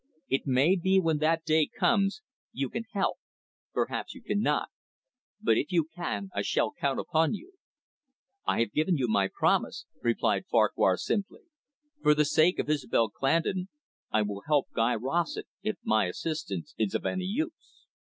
It may be, when that day comes, you can help, perhaps you cannot. But, if you can, I shall count upon you." "I have given you my promise," replied Farquhar simply. "For the sake of Isobel Clandon, I will help Guy Rossett, if my assistance is of any use."